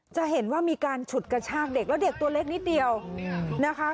จะเห็นว่ามีการฉุดกระชากเด็กแล้วเด็กตัวเล็กนิดเดียวนะคะ